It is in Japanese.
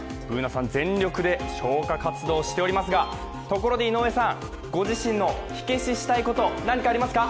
Ｂｏｏｎａさん、全力で消火活動しておりますがところで井上さん、ご自身の火消ししたいこと、何かありますか？